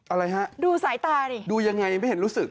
อะไรฮะดูสายตาดิดูยังไงไม่เห็นรู้สึก